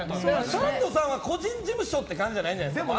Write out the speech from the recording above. サンドさんは個人事務所って感じじゃないんじゃないですか。